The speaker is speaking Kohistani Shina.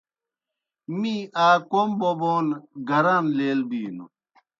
می آ کوْم بوبون گران لیل بِینوْ۔